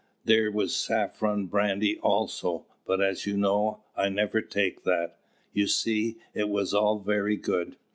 There was saffron brandy also; but, as you know, I never take that. You see, it was all very good.